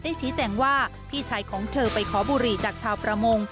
ชี้แจงว่าพี่ชายของเธอไปขอบุหรี่จากชาวประมง